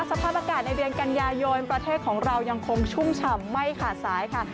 สภาพอากาศในเดือนกันยายนประเทศของเรายังคงชุ่มฉ่ำไม่ขาดสายค่ะ